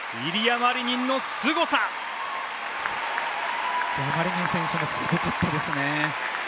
マリニン選手すごかったですね。